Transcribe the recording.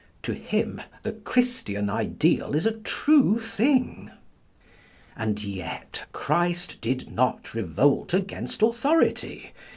To him the Christian ideal is a true thing. And yet, Christ did not revolt against authority.